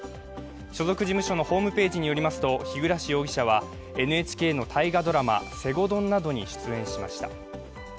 所属事務所のホームページによりますと日暮容疑者はＮＨＫの大河ドラマ「西郷どん」などに出演しました。